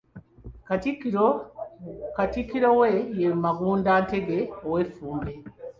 Katikkiro we ye Magunda Ntege ow'Effumbe.